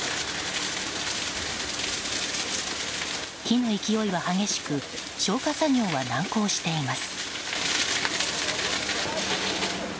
火の勢いは激しく消火作業は難航しています。